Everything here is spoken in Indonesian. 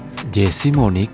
kamu ajak ketemu saya di sini